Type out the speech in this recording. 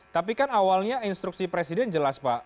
tapi kan awalnya instruksi presiden jelas pak